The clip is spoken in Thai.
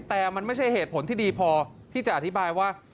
แต่มันไม่ใช่เหตุผลที่ดีพอที่จะอธิบายว่า